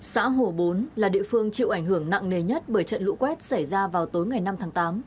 xã hồ bốn là địa phương chịu ảnh hưởng nặng nề nhất bởi trận lũ quét xảy ra vào tối ngày năm tháng tám